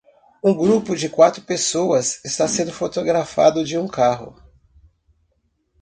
Um grupo de quatro pessoas está sendo fotografado de um carro.